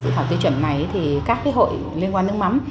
theo tiêu chuẩn này thì các hội liên quan nước mắm